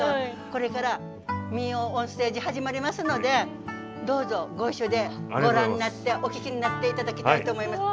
これから民謡オンステージ始まりますのでどうぞご一緒でご覧になってお聴きになっていただけたらと思います。